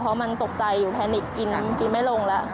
เพราะมันตกใจอยู่แพนิกกินกินไม่ลงแล้ว